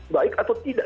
baik atau tidak